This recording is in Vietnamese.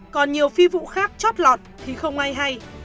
còn nhiều phi vụ khác chót lọt thì không ai hay